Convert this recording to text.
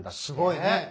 すごいね。